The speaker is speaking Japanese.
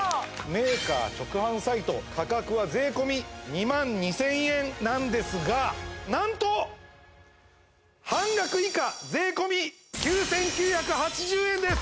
メーカー直販サイト価格は税込２万２０００円なんですがなんと半額以下税込９９８０円です